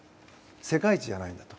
世界一じゃないんだと。